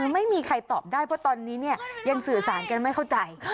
ไม่มีใครตอบได้เพราะตอนนี้เนี่ยยังสื่อสารกันไม่เข้าใจ